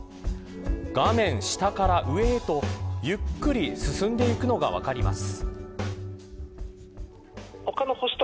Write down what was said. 画面下から上へとゆっくり進んでいくのが分かります。